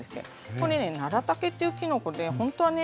これねナラタケというきのこでほんとはね